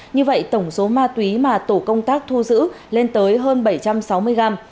như vậy tổng số ma túy mà tổ công tác thu giữ lên tới hơn bảy trăm sáu mươi gram